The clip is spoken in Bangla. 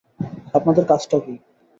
আপনাদের কাজটা কি?